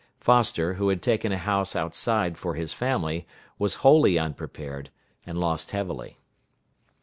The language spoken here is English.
Foster, who had taken a house outside for his family, was wholly unprepared, and lost heavily.